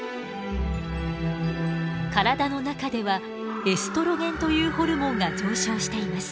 体の中ではエストロゲンというホルモンが上昇しています。